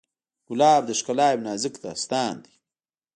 ګلاب د ښکلا یو نازک داستان دی.